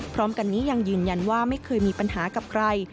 พร้อมกันนี้ยังยืนยันว่าไม่เคยมีปัญหากับใคร